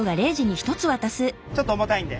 ちょっと重たいんで。